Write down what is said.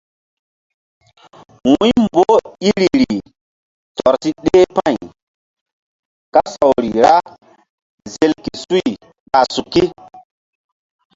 Wu̧y mboh iriri tɔr si ɗeh pa̧y kasawri ra zel ke suy ɓa suki.